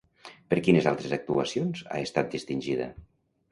Per quines altres actuacions ha estat distingida?